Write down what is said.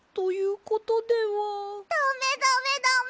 ダメダメダメ！